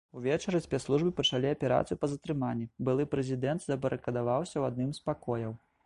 Увечары спецслужбы пачалі аперацыю па затрыманні, былы прэзідэнт забарыкадаваўся ў адным з пакояў.